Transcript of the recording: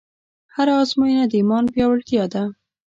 هره ازموینه د ایمان پیاوړتیا ده.